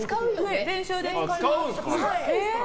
練習で使います。